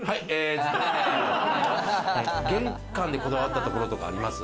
玄関で、こだわったところとかあります？